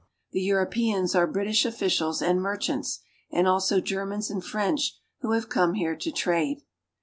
The Europeans are British officials and merchants, and also Germans and French who have come here to trade.